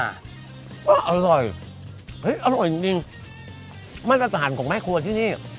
อร่อยพริกอร่อยจริงจริงมันจะสถานของแม่ครัวที่นี่